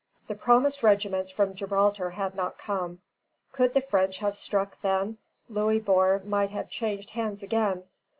] The promised regiments from Gibraltar had not come. Could the French have struck then, Louisbourg might have changed hands again.